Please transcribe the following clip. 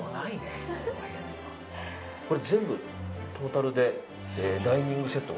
これ全部トータルでダイニングセット